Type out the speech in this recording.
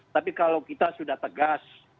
tapi kalau kita sudah tegas